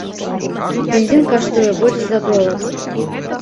Бензін каштуе больш за долар!